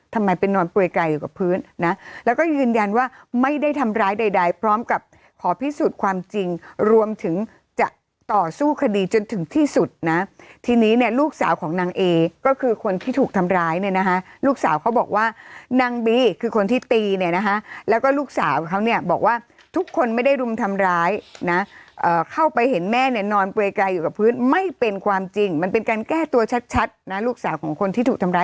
ที่สุดความจริงรวมถึงจะต่อสู้คดีจนถึงที่สุดนะทีนี้เนี่ยลูกสาวของนางเอก็คือคนที่ถูกทำร้ายเนี่ยนะคะลูกสาวเขาบอกว่านางบีคือคนที่ตีเนี่ยนะคะแล้วก็ลูกสาวเขาเนี่ยบอกว่าทุกคนไม่ได้รุมทำร้ายนะเข้าไปเห็นแม่เนี่ยนอนเปรยกายอยู่กับพื้นไม่เป็นความจริงมันเป็นการแก้ตัวชัดนะลูกสาวของคนที่ถูกทำร้